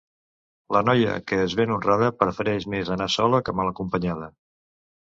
La noia que és ben honrada, prefereix més anar sola que mal acompanyada.